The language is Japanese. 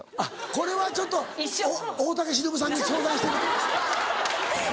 これはちょっと大竹しのぶさんに相談して。